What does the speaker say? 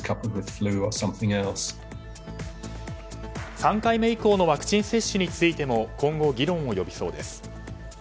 ３回目以降のワクチン接種についても今後議論を呼びそうです。